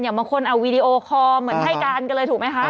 บางคนเอาวีดีโอคอลเหมือนให้การกันเลยถูกไหมคะ